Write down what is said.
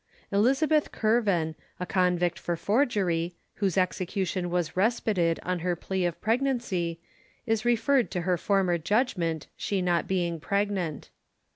Elizabeth Kirvan, a convict for forgery, whose execution was respited on her plea of pregnancy, is referred to her former judgment, she not being pregnant.